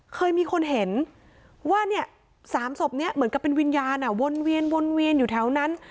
เคยมีคนเห็นว่าสามศพเหมือนเป็นวิญญาณวนเวียนอยู่แถวนั้น